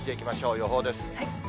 予報です。